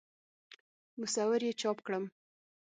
مصور یې چاپ کړم.